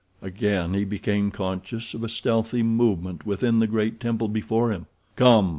Again he became conscious of a stealthy movement within the great temple before him. "Come!"